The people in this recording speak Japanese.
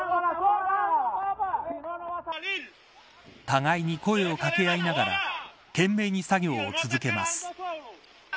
互いに声を掛け合いながら懸命に作業を続けます。